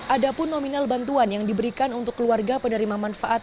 ada pun nominal bantuan yang diberikan untuk keluarga penerima manfaat